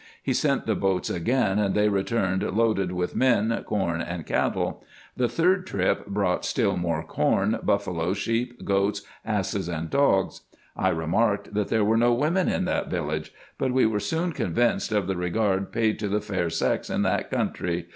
He sent the boats again, and they returned loaded with men, corn, and cattle. The third trip brought still more corn, buffaloes, sheep, goats, asses, and dogs. I remarked, 302 RESEARCHES AND OPERATIONS that there were no women in that village ; but we were soon convinced of the regard paid to the fair sex in that country.